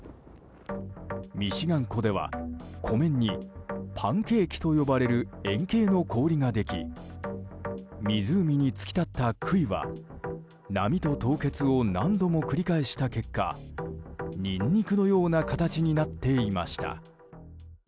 ミシガン湖では湖面にパンケーキと呼ばれる円形の氷ができ湖に突き立った杭は波と凍結を何度も繰り返した結果ニンニクのような形になっていました。